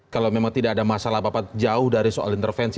kalau memang tidak ada masalah apa apa jauh dari soal intervensi